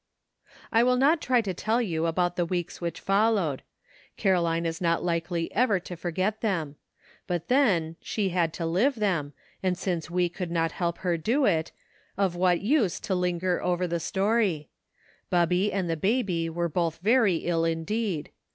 I will not try to tell you about the weeks which followed. Caroline is not likely ever to forget them ; but then, she had to live them, and since we could not help her do it, of what use to linger over I) A UK DAYS. 151 the story. Bubby and the baby were both very ill indeed.